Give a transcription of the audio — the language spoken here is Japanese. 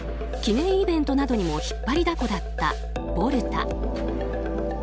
記念イベントなどにも引っ張りだこだったボルタ。